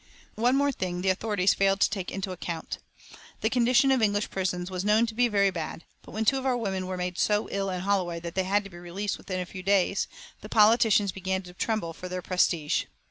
One more thing the authorities failed to take into account. The condition of English prisons was known to be very bad, but when two of our women were made so ill in Holloway that they had to be released within a few days, the politicians began to tremble for their prestige.